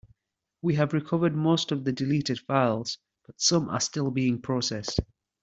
We have recovered most of the deleted files, but some are still being processed.